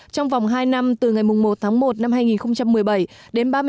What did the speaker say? trong vòng hai năm từ ngày một một hai nghìn một mươi bảy đến ba mươi một một mươi hai hai nghìn một mươi tám